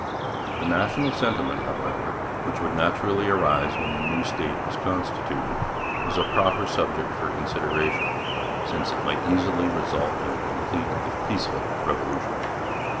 The national sentiment, however, which would naturally arise when the new state was constituted, was a proper subject for consideration, since it might easily result in a complete, if peaceful, revolution.